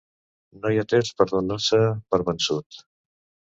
No hi ha temps per donar-se per vençut!